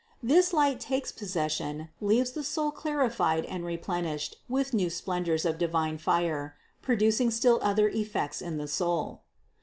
This light takes possession, leaves the soul clarified and replenished with new splendors of a divine fire, producing still other effects in the soul.